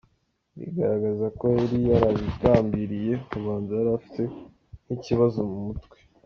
Bigaragaraga ko yari yarabigambiriye, ubanza yari afite nk’ikibazo mu mutwe”.